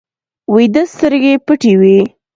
ویده سترګې پټې وي